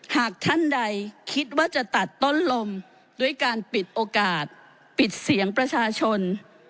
หากท่านใดคิดว่าจะตัดต้นลมด้วยการปิดโอกาสปิดเสียงประชาชน